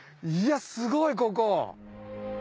いやすごいここ！